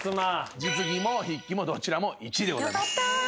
実技も筆記もどちらも１位でございます。